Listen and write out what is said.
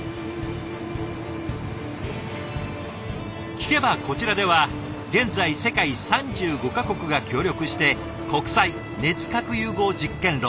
聞けばこちらでは現在世界３５か国が協力して国際熱核融合実験炉